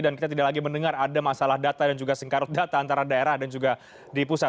dan kita tidak lagi mendengar ada masalah data dan juga sengkarut data antara daerah dan juga di pusat